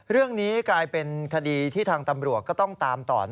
เรื่องนี้กลายเป็นคดีที่ทางตำรวจก็ต้องตามต่อ